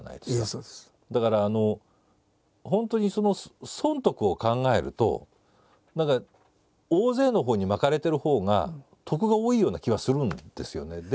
だから本当に損得を考えると何か大勢のほうに巻かれてるほうが得が多いような気はするんですよね。